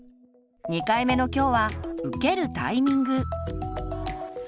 ２回目の今日は「受けるタイミング」。